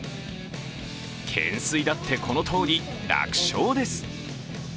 懸垂だってこのとおり、楽勝です。